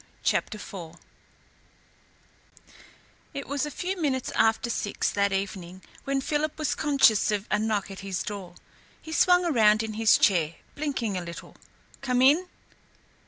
CHAPTER IV It was a few minutes after six that evening when Philip was conscious of a knock at his door. He swung around in his chair, blinking a little. "Come in!"